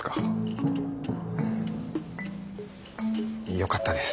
よかったです。